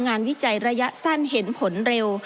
วิจัยระยะสั้นเห็นผลเร็ว